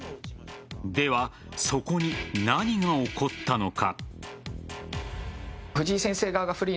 では、そこに何が起こったのか。